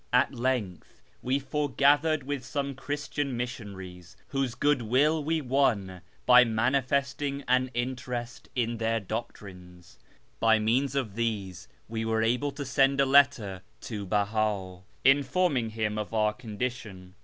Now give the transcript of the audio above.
At length we foregathered with some Christian missionaries, whose goodwill we won by manifesting an interest in their doctrines. By means of these we were able to send a letter to Beha, imforming him of our condition.